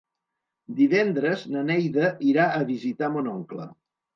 Divendres na Neida irà a visitar mon oncle.